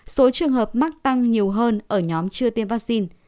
số trường hợp mắc tăng nhiều hơn ở nhóm chưa tiêm vaccine